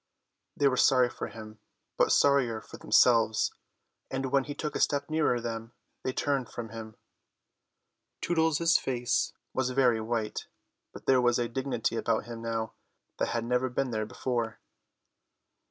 They were sorry for him, but sorrier for themselves, and when he took a step nearer them they turned from him. Tootles' face was very white, but there was a dignity about him now that had never been there before.